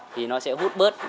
thì nó sẽ hút bớt